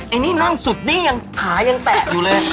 อันนี้นั่งสุดนี่ยังขายังแตะอยู่เลย